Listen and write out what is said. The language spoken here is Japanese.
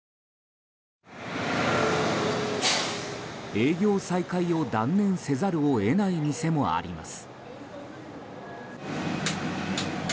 営業再開を断念せざるを得ない店もあります。